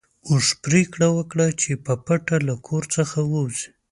اوښ پرېکړه وکړه چې په پټه له کور څخه ووځي.